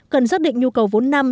cần giác định nhu cầu vốn năm